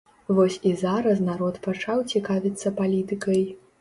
Вось і зараз народ пачаў цікавіцца палітыкай.